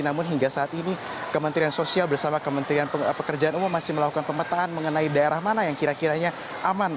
namun hingga saat ini kementerian sosial bersama kementerian pekerjaan umum masih melakukan pemetaan mengenai daerah mana yang kira kiranya aman